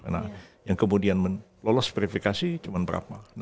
nah yang kemudian lolos verifikasi cuma berapa